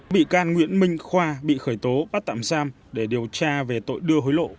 bị can nguyễn minh khoa bị khởi tố bắt tạm giam để điều tra về tội đưa hối lộ